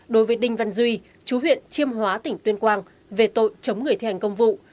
đối với đinh văn duy chú huyện chiêm hóa tỉnh tuyên quang về tội chống người thi hành công vụ